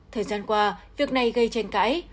thời gian qua việc này gây tranh cãi